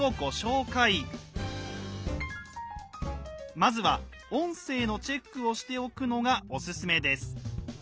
まずは「音声のチェック」をしておくのがおすすめです。